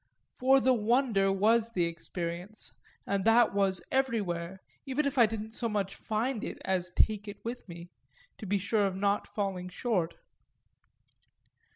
For the wonder was the experience, and that was everywhere, even if I didn't so much find it as take it with me, to be sure of not falling short.